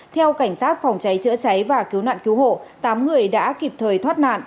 theo cảnh sát phòng cháy chữa cháy và cứu nạn cứu hộ tám người đã kịp thời thoát nạn